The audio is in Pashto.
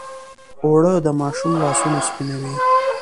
اوړه د ماشوم لاسونه سپینوي